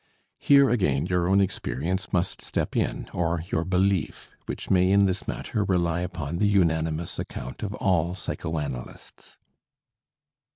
Here again your own experience must step in, or your belief, which may in this matter rely upon the unanimous account of all psychoanalysts.